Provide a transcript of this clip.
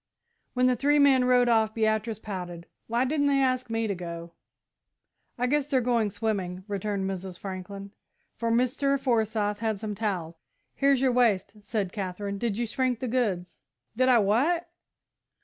When the three men rode off, Beatrice pouted. "Why didn't they ask me to go?" "I guess they're going swimming," returned Mrs. Franklin, "for Mr. Forsyth had some towels." "Here's your waist," said Katherine; "did you shrink the goods?" "Did I what?"